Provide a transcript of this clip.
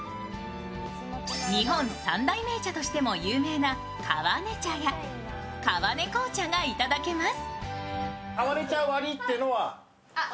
日本三大銘茶としても有名な川根茶や川根紅茶がいただけます。